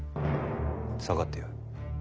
下がってよい。